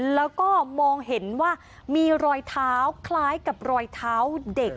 แล้วก็มองเห็นว่ามีรอยเท้าคล้ายกับรอยเท้าเด็ก